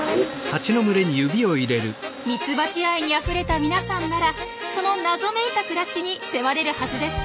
ミツバチ愛にあふれた皆さんならその謎めいた暮らしに迫れるはずです。